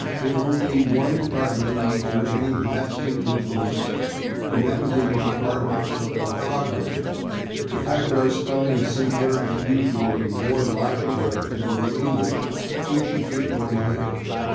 In only one department did he exert any lasting influence, and that was in the department of orthography. The fact that our spelling is simpler and usually more logical than the English we chiefly owe to him.